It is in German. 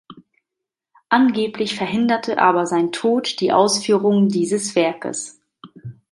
Angeblich verhinderte aber sein Tod die Ausführung dieses Werkes.